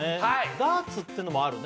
ダーツってのもあるね